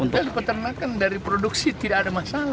dari peternakan dari produksi tidak ada masalah